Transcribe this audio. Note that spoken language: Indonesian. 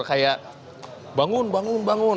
kayak bangun bangun bangun